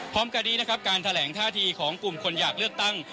พร้อมกันนี้นะครับการแถลงท่าทีของกลุ่มคนอยากเลือกตั้ง